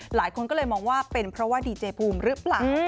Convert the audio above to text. หลายคนก็เลยมองว่าเป็นเพราะว่าดีเจภูมิหรือเปล่า